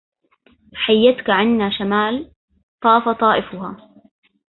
حيتك عنا شمال طاف طائفها